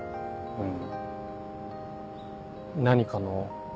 うん。